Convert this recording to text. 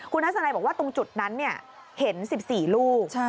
คุณทัศนัยบอกว่าตรงจุดนั้นเห็น๑๔ลูก